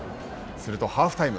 するとハーフタイム。